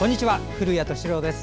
古谷敏郎です。